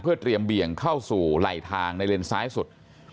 เพื่อเตรียมเบี่ยงเข้าสู่ไหลทางในเลนซ้ายสุด